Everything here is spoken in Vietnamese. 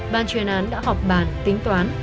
ban truyền án đã học bàn tính toán